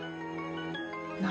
何？